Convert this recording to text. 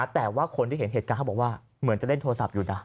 แต่ว่าคนที่เห็นเหตุการณ์เขาบอกว่าเหมือนจะเล่นโทรศัพท์อยู่นะ